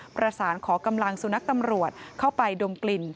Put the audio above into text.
ประสานขอกำลังสุนัขตำรวจเข้าไปดมกลิ่น